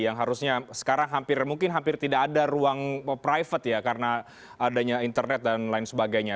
yang harusnya sekarang hampir mungkin hampir tidak ada ruang private ya karena adanya internet dan lain sebagainya